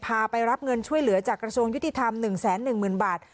พาไปรับเงินช่วยเหลือจากกระทรวงยุติธรรมหนึ่งแสนหนึ่งหมื่นบาท